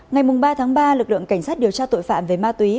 ngày ba tháng ba lực lượng cảnh sát điều tra tội phạm về ma túy